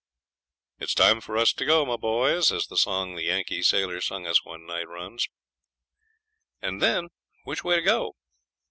'It was time for us to go, my boys,' as the song the Yankee sailor sung us one night runs, and then, which way to go?